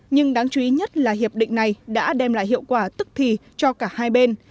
nhưng đáng chú ý nhất là hiệp định này đã đem lại hiệu quả tức thì cho cả hai bên